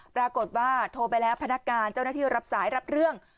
ปรากฏว่าโทรไปแล้วพนักการเจ้าหน้าที่รับสายรับเรื่อง